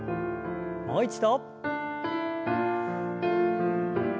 もう一度。